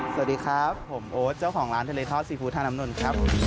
สวัสดีครับผมโอ๊ตเจ้าของร้านทะเลทอดซีฟู้ดทางน้ำนนท์ครับ